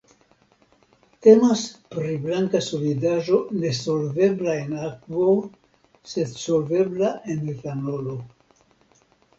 Temas pri blanka solidaĵo nesolvebla en akvo sed solvebla en etanolo.